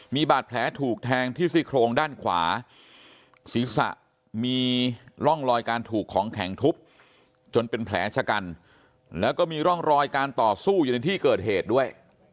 มีบาดแผลถูกแทงที่ซี่โครงด้านขวาศีรษะมีร่องรอยการถูกของแข็งทุบจนเป็นแผลชะกันแล้วก็มีร่องรอยการต่อสู้อยู่ในที่เกิดเหตุด้วย